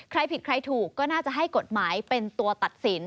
ใครผิดใครถูกก็น่าจะให้กฎหมายเป็นตัวตัดสิน